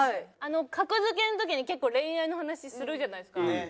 格付けの時に結構恋愛の話するじゃないですか。